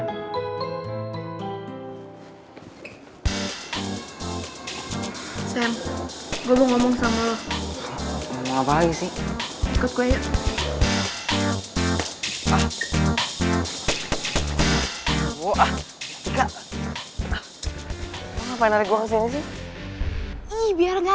nilai bahasa indonesia yang one kan jelek banget